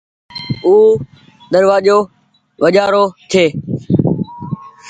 او دروآزو وجهآ رو ڇي۔